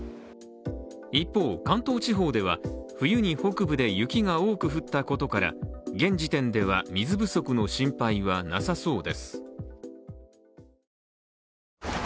一方、関東地方では冬に北部で雪が多く降ったことから現時点では水不足の心配はなさそうです。